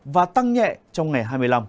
và tăng nhẹ trong ngày hai mươi năm